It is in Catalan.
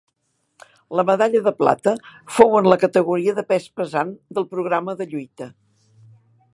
La medalla de plata fou en la categoria de pes pesant del programa de lluita.